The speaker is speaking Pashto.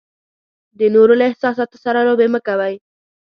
د نورو له احساساتو سره لوبې مه کوئ.